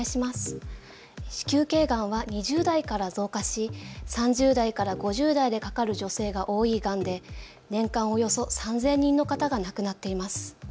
子宮頸がんは２０代から増加し３０代から５０代でかかる女性が多いがんで年間およそ３０００人の方が亡くなっています。